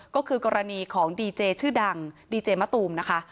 ก็คือกรณีของดีเจชื่อดังดีเจมะตูมนะคะ